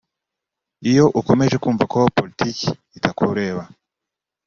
Iyo ukomeje kumva ko politiki itakureba